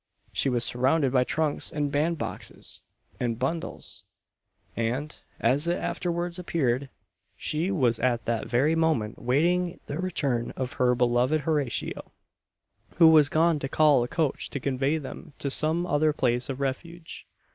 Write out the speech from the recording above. She was surrounded by trunks and band boxes, and bundles; and, as it afterwards appeared, she was at that very moment waiting the return of her beloved Horatio, who was gone to call a coach to convey them to some other place of refuge.